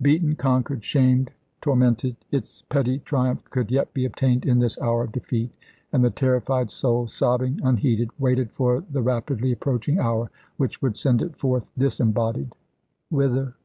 Beaten, conquered, shamed, tormented, its petty triumph could yet be obtained in this hour of defeat. And the terrified soul, sobbing unheeded, waited for the rapidly approaching hour which would send it forth disembodied whither?